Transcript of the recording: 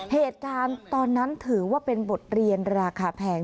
เหตุการณ์ตอนนั้นถือว่าเป็นบทเรียนราคาแพง